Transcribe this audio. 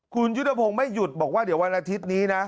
คุณยุทธพงศ์ไม่หยุดบอกว่าเดี๋ยววันอาทิตย์นี้นะ